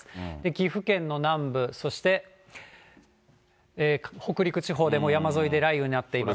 岐阜県の南部、そして北陸地方でも山沿いで雷雨になっています。